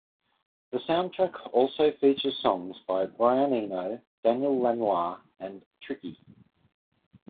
The soundtrack also features songs by Brian Eno, Daniel Lanois, and Tricky.